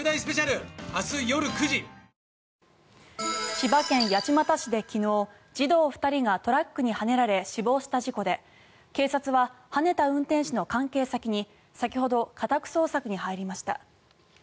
千葉県八街市で昨日児童２人がトラックにはねられ死亡した事故で警察は、はねた運転手の関係先に先ほど、家宅捜索に入りました。